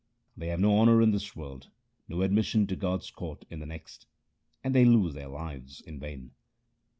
They have no honour in this world, no admission to God's court in the next, and they lose their lives in vain.